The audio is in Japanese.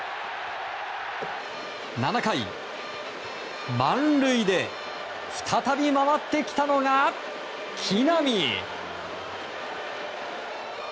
７回、満塁で再び回ってきたのが、木浪。